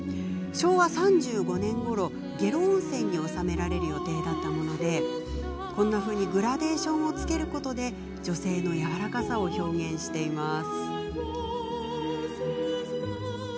昭和３５年ごろ、下呂温泉に収められる予定だったものでグラデーションをつけることで女性のやわらかさを表現しています。